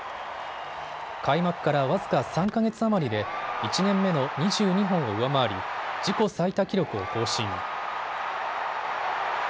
開幕から僅か３か月余りで１年目の２２本を上回り、自己最多記録を更新。